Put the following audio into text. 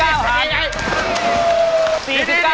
๕๙หาร